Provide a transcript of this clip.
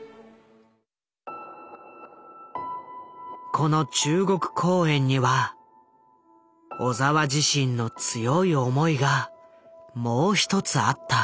この中国公演には小澤自身の強い思いがもう一つあった。